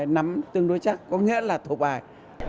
nắm tương đối chắc có nghĩa là thụ bài